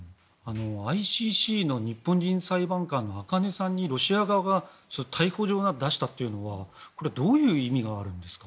ＩＣＣの日本人裁判官の赤根さんにロシア側が逮捕状を出したというのはどういう意味があるんですか。